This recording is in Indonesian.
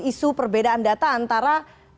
isu perbedaan data antara